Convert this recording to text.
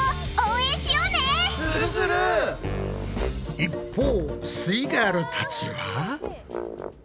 一方すイガールたちは。